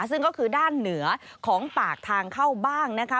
ซึ่งก็คือด้านเหนือของปากทางเข้าบ้างนะคะ